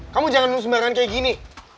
kamu jangan sembarangan kayak gini